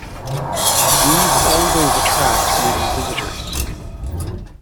These always attract many visitors.